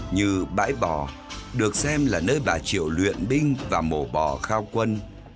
như bãi bò được xem là nơi bà triệu luyện binh và mổ bò khao quân